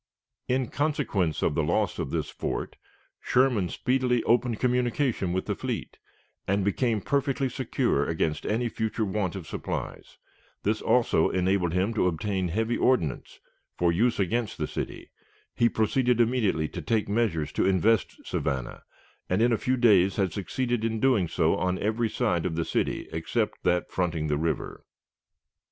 In consequence of the loss of this fort, Sherman speedily opened communication with the fleet, and became perfectly secure against any future want of supplies. This also enabled him to obtain heavy ordnance for use against the city. He proceeded immediately to take measures to invest Savannah, and in a few days had succeeded in doing so on every side of the city except that fronting the river.